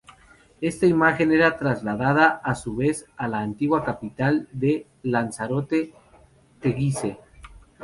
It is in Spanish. Esta imagen era trasladada a su vez a la antigua capital de Lanzarote, Teguise.